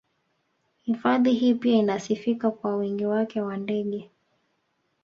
Hifadhi hii pia inasifika kwa wingi wake wa ndege